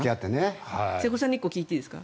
瀬古さんに１個聞いていいですか？